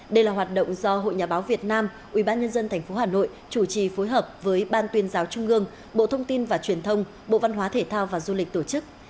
đây là hoạt động do hội nhà báo việt nam ubnd tp hà nội chủ trì phối hợp với ban tuyên giáo trung ương bộ thông tin và truyền thông bộ văn hóa thể thao và du lịch tổ chức